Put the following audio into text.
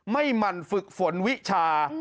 หมั่นฝึกฝนวิชา